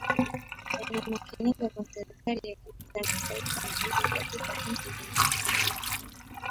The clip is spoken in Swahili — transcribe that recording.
inayamkinika kwa serikali za kitaifa na miji katika nchi zinazostawi